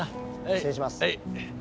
失礼します。